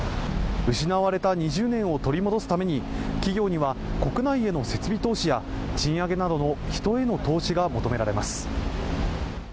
失われた２０年を取り戻すために企業には国内への設備投資や賃上げなどの人への投資が求められます。